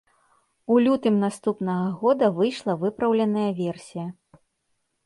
У лютым наступнага года выйшла выпраўленая версія.